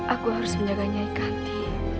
aku harus menjaganya ikhanti